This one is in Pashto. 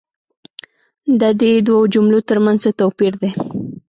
دا دي دوو جملو تر منځ څه توپیر دی؟